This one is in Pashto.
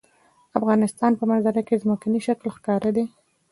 د افغانستان په منظره کې ځمکنی شکل ښکاره ده.